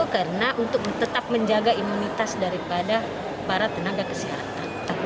karena untuk tetap menjaga imunitas daripada para tenaga kesehatan